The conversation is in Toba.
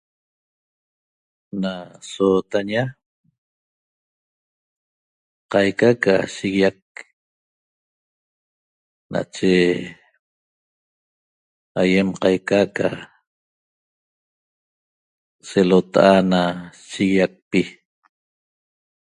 Na sootaña qaica ca shiguiac nache aýem qaica ca selota'a na siguiacpi